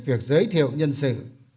việc giới thiệu nhân sự